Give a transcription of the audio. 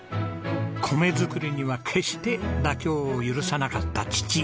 米作りには決して妥協を許さなかった父。